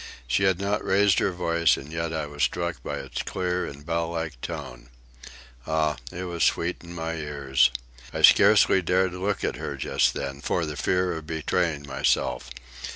She had not raised her voice, and yet I was struck by its clear and bell like tone. Ah, it was sweet in my ears! I scarcely dared look at her just then, for the fear of betraying myself.